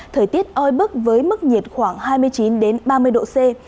thời tiết oi bức với mức nhiệt khoảng hai mươi chín ba mươi độ c